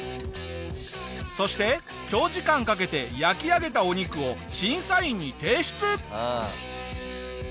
そして長時間かけて焼き上げたお肉を審査員に提出！